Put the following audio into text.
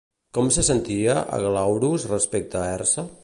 Com se sentia Aglauros respecte a Herse?